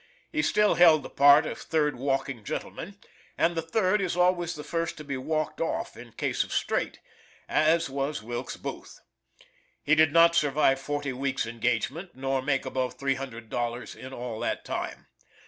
He still held the part of third walking gentleman, and the third is always the first to be walked off in case of strait, as was Wilkes Booth. He did not survive forty weeks engagement, nor make above three hundred dollars in all that time.